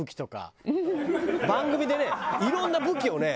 番組でねいろんな武器をね